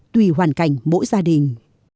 tùy hoàn cảnh mỗi gia đình